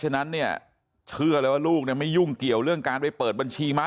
ฉะนั้นเนี่ยเชื่อเลยว่าลูกเนี่ยไม่ยุ่งเกี่ยวเรื่องการไปเปิดบัญชีม้า